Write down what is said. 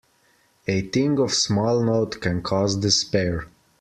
A thing of small note can cause despair.